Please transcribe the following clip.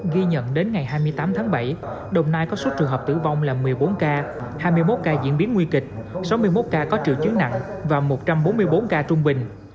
ghi nhận đến ngày hai mươi tám tháng bảy đồng nai có số trường hợp tử vong là một mươi bốn ca hai mươi một ca diễn biến nguy kịch sáu mươi một ca có triệu chứng nặng và một trăm bốn mươi bốn ca trung bình